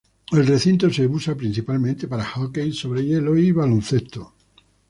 El recinto se utiliza principalmente para hockey sobre hielo y baloncesto.